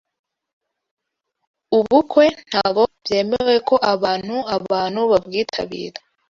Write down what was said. Ubukwe ntago byemewe ko abantu abantu babwitabira